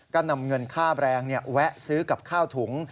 ก็นำเงินค่าแบรนด์แวะซื้อกับข้าวถุง